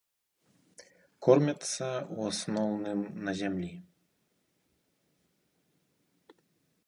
Кормяцца, у асноўным, на зямлі.